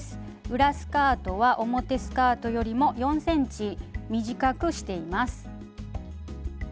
裏スカートは表スカートよりも４ｃｍ短くしています。